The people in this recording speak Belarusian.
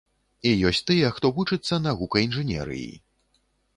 І ёсць тыя, хто вучыцца на гукаінжынерыі.